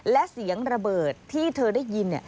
และเสียงระเบิดที่เธอได้ยิน